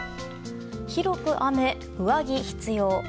広く雨、上着必要。